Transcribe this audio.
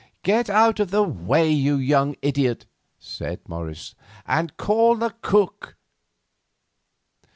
"Get out of the way, you young idiot," said Morris, "and call the cook."